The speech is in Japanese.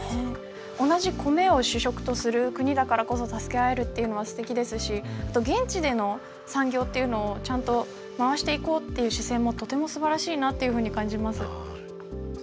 同じ米を主食とする国だからこそ助け合えるというのはすてきですし現地での、産業というのをちゃんと回していこうという姿勢もとてもすばらしいなというふうに感じます。